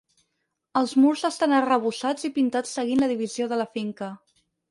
Els murs estan arrebossats i pintats seguint la divisió de la finca.